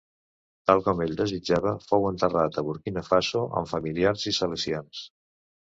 Tal com ell desitjava, fou enterrat a Burkina Faso amb familiars i salesians.